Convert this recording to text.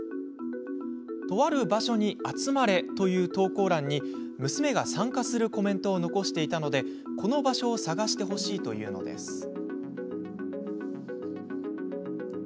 とある場所に集まれという投稿欄に娘が、参加するコメントを残していたためこの場所を捜してほしいというのです。